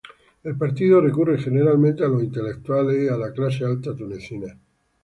El partido recurre generalmente a los intelectuales y la clase alta tunecina.